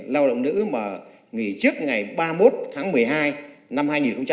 lao động nữ mà nghỉ trước ngày ba mươi một tháng một mươi hai năm hai nghìn hai mươi